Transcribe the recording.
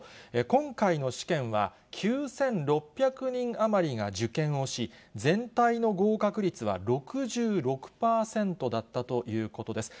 今回の試験は、９６００人余りが受験をし、全体の合格率は６６％だったということです。